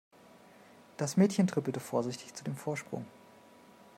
Das Mädchen trippelte vorsichtig zu dem Vorsprung.